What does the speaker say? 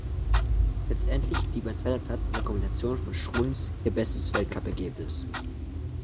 Letztendlich blieb ein zweiter Platz in der Kombination von Schruns ihr bestes Weltcupergebnis.